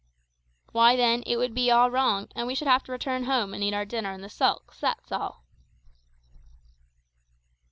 "Why, then, it would be all wrong, and we should have to return home and eat our dinner in the sulks, that's all."